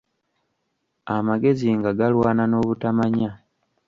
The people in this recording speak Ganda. Amagezi nga galwana n'obutamanya .